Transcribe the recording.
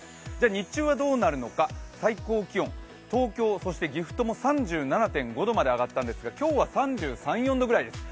日中はどうなるのか、最高気温東京、岐阜とも３７．５度まで上がったんですが今日は３３３４度くらいです。